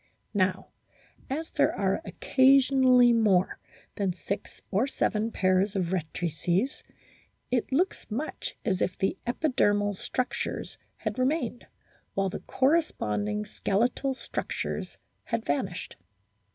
Now as there are occasionally more than six or seven pairs of rectrices, it looks much as if the epidermal structures had remained while the corresponding skeletal structures had vanished.